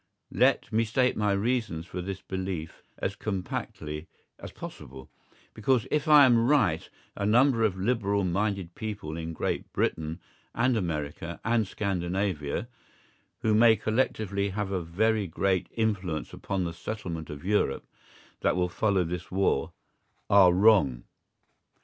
Let me state my reasons for this belief as compactly as possible, because if I am right a number of Liberal minded people in Great Britain and America and Scandinavia, who may collectively have a very great influence upon the settlement of Europe that will follow this war, are wrong.